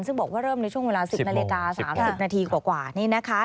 ซึ่งบอกว่าเริ่มในช่วงเวลา๑๐นาฬิกา๓๐นาทีกว่านี่นะคะ